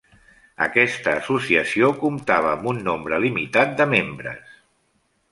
Aquesta associació comptava amb un nombre limitat de membres.